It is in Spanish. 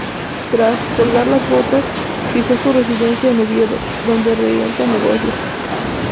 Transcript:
Tras "colgar las botas" fijó su residencia en Oviedo, donde regenta negocios.